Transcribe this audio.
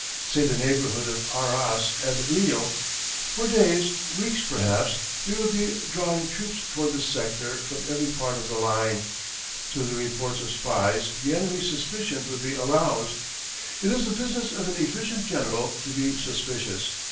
Say the neighbourhood of Arras and Lille. For days, weeks perhaps, we would be drawing troops toward this sector from every part of the line. Through the reports of spies the enemy's suspicions would be aroused. It is the business of an efficient general to be suspicious.